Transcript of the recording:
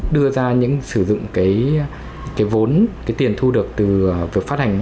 đưa ra những sử dụng cái vốn cái tiền thu được từ việc phát hành